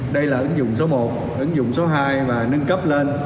đây là ứng dụng số một ứng dụng số hai và nâng cấp lên